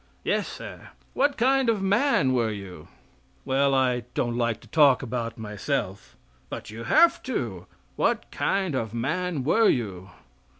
"Yes sir. What kind of a man were you?" "Well, I don't like to talk about myself." "But you have to. What kind of a man were you?"